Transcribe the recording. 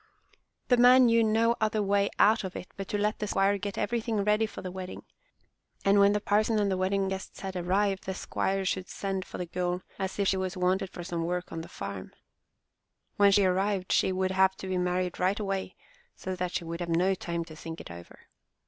The man knew no other way out of it but to let the squire get everything ready for the wedding; and when the parson and wedding guests had arrived, the squire should send for the girl as if she was wanted for some work on the farm. When she arrived she would have to be married right away, so that she would have no time to think it over.